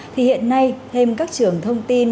thì hiện nay thêm các trường thông tin